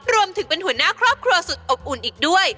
รวมถึงเป็นหัวหน้าครอบครัวสุดอบอุ่นอีกด้วย